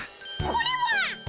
これはっ！